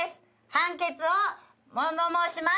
判決をもも申します。